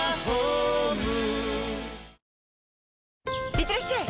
いってらっしゃい！